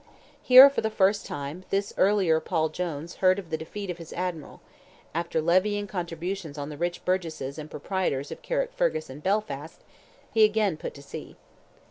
Here, for the first time, this earlier Paul Jones heard of the defeat of his admiral; after levying contributions on the rich burgesses and proprietors of Carrickfergus and Belfast, he again put to sea.